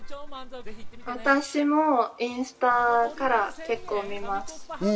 私もインスタから結構見ます。